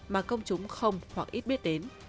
mà công chúng không hoặc ít biết đến